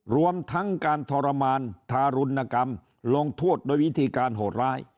รวมทั้งการทรมานทารุณกรรมลงโทษโดยวิธีการโหดร้าย